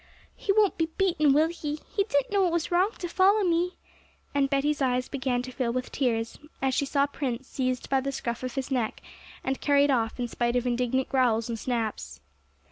'He won't be beaten, will he? He didn't know it was wrong to follow me'; and Betty's eyes began to fill with tears, as she saw Prince seized by the scruff of his neck, and carried off, in spite of indignant growls and snaps.